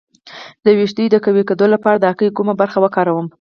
د ویښتو د قوي کیدو لپاره د هګۍ کومه برخه وکاروم؟